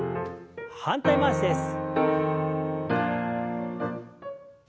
反対回しです。